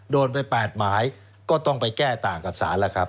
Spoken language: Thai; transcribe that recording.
โดนไป๘หมายก็ต้องไปแก้ต่างกับศาลแล้วครับ